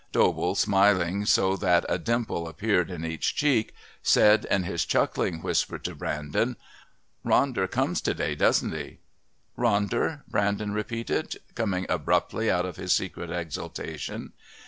Dobell, smiling so that a dimple appeared in each cheek, said in his chuckling whisper to Brandon: "Ronder comes to day, doesn't he?" "Ronder?" Brandon repeated, coming abruptly out of his secret exultation.